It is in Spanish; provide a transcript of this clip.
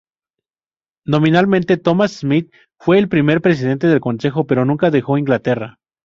Nominalmente Thomas Smith fue el primer presidente del consejo, pero nunca dejó Inglaterra.